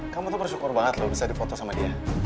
kamu tuh bersyukur banget loh bisa difoto sama dia